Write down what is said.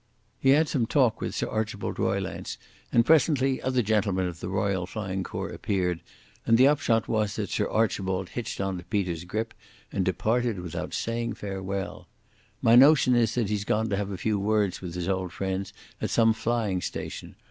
He had some talk with Sir Archibald Roylance, and presently other gentlemen of the Royal Flying Corps appeared, and the upshot was that Sir Archibald hitched on to Peter's grip and departed without saying farewell. My notion is that he's gone to have a few words with his old friends at some flying station.